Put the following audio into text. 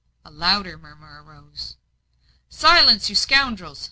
A louder murmur rose. "Silence, you scoundrels!"